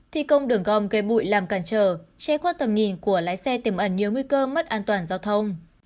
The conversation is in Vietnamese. thi công đường gom gây bụi làm cản trở che qua tầm nhìn của lái xe tiềm ẩn nhiều nguy cơ mất an toàn giao thông